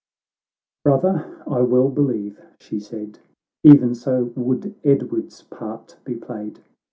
— XXIX "Brother, I well believe," she said, "Even so would Edward's part be played.